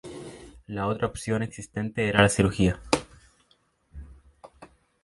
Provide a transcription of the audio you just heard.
La otra opción existente era la cirugía.